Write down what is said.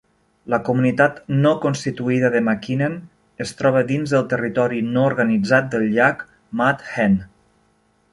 La comunitat no constituïda de Makinen es troba dins del territori no organitzat del llac Mud Hen.